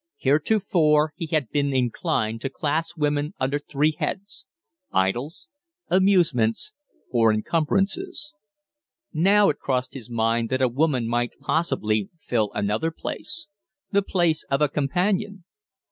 Heretofore he had been inclined to class women under three heads idols, amusements, or encumbrances; now it crossed his mind that a woman might possibly fill another place the place of a companion.